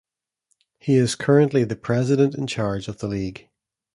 He is currently the president-in-charge of the league.